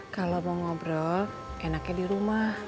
kalau mau ngobrol enaknya di rumah